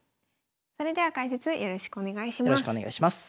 それでは解説よろしくお願いします。